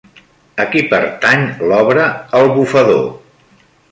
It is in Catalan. A qui pertany l'obra El bufador?